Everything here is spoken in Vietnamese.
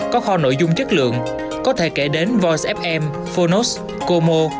có kho nội dung chất lượng có thể kể đến voice fm phonos como